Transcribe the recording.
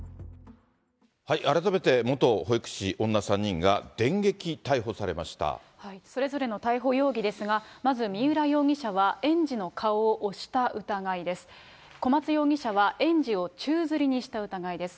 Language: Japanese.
改めて、元保育士、それぞれの逮捕容疑ですが、まず三浦容疑者は園児の顔を押した疑いです。